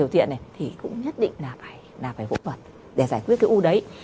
thì cũng nhất định là phải phẫu thuật để giải quyết cái u đấy